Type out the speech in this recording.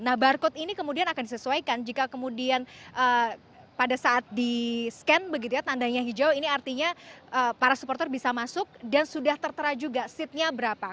nah barcode ini kemudian akan disesuaikan jika kemudian pada saat di scan begitu ya tandanya hijau ini artinya para supporter bisa masuk dan sudah tertera juga seatnya berapa